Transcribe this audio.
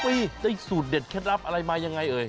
ปีได้สูตรเด็ดเคล็ดลับอะไรมายังไงเอ่ย